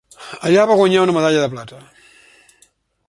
Allà va guanyar una medalla de plata.